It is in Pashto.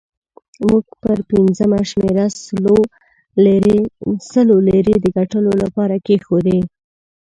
موږ پر پنځمه شمېره سلو لیرې د ګټلو لپاره کېښودې.